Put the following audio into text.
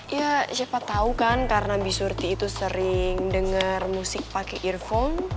ya siapa tau kan karena bi surti itu sering denger musik pake earphone